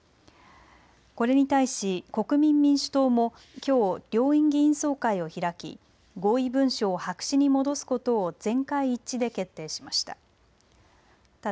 これに対し国民民主党もきょう両院議員総会を開き合意文書を白紙に戻すことを全会一致で決定しました。